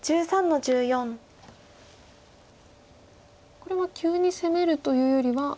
これは急に攻めるというよりは。